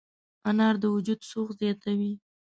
انار د وجود سوخت زیاتوي.